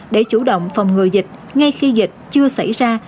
để chủ động phòng ngừa dịch ngay khi dịch chưa xảy ra